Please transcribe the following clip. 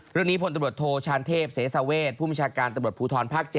เรื่องนี้ผลตำรวจโทชานเทพเสสาเวชผู้มีชาการตำรวจภูทรภาค๗